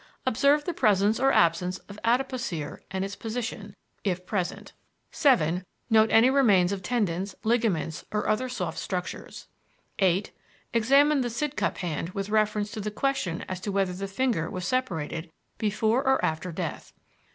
Observe the presence or absence of adipocere and its position, if present. "7. Note any remains of tendons, ligaments or other soft structures. "8. Examine the Sidcup hand with reference to the question as to whether the finger was separated before or after death.